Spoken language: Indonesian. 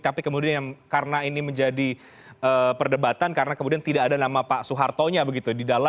tapi kemudian yang karena ini menjadi perdebatan karena kemudian tidak ada nama pak soehartonya begitu